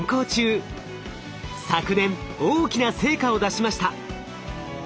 昨年大きな成果を出しました。